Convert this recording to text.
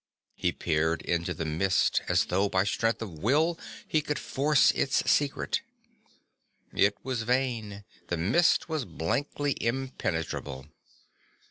He peered into the mist as though by strength of will he would force its secret. It was vain, the mist was blankly impenetrable.